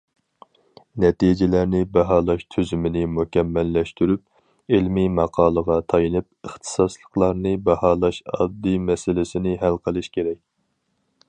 نەتىجىلەرنى باھالاش تۈزۈمىنى مۇكەممەللەشتۈرۈپ، ئىلمىي ماقالىغا تايىنىپ ئىختىساسلىقلارنى باھالاش ئاددىي مەسىلىسىنى ھەل قىلىش كېرەك.